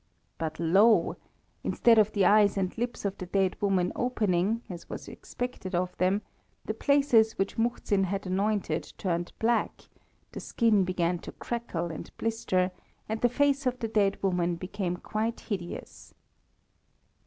But lo! instead of the eyes and lips of the dead woman opening, as was expected of them, the places which Muhzin had anointed turned black, the skin began to crackle and blister, and the face of the dead woman became quite hideous.